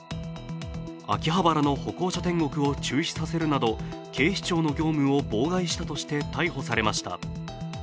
秋葉原の歩行者天国を中止させるなど警視庁の業務を妨害したとして逮捕されました。